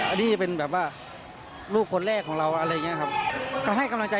อันนี้เป็นแบบรูปคนแรกของเรา